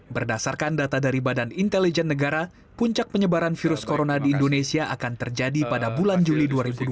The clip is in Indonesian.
berdasarkan data dari badan intelijen negara puncak penyebaran virus corona di indonesia akan terjadi pada bulan juli dua ribu dua puluh